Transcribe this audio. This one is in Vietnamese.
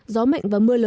gió mạnh và mưa lớn